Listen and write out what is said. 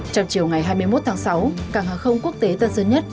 trong chiều ngày hai mươi một tháng sáu cảng hàng không quốc tế tân sơn nhất